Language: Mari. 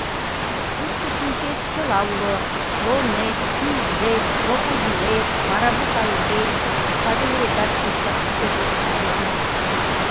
Тушто, шинчет, чыла уло: слонет, тигрет, крокодилет, марабу кайыкет, саде уретат туштак четлыкыште кеча.